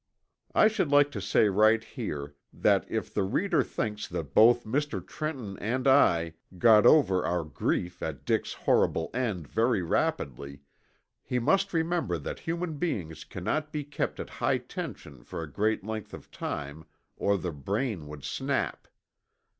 I should like to say right here that if the reader thinks that both Mr. Trenton and I got over our grief at Dick's horrible end very rapidly, he must remember that human beings cannot be kept at high tension for a great length of time or the brain would snap.